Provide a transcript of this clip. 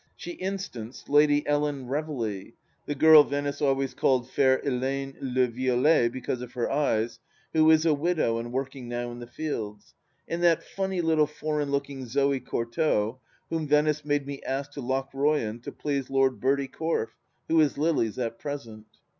She instanced Lady Ellen Reveley — the girl Venice always called Fair Ellayne le Violet because of her eyes, who is a widow and working now in the fields — and that funny little foreign looking Zoe Courtauld, whom Venice made me ask to Lochroyan to please Lord Bertie Corfe, who is Lily's at present.